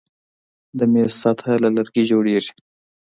د میز سطحه له لرګي جوړیږي.